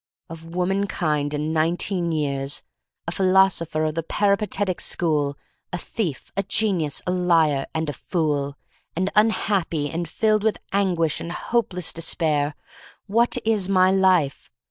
Of womankind and nineteen years, a philosopher of the peripatetic school, a thief, a genius, a liar, and a fool — and unhappy, and filled with anguish and hopeless despair. What is my life?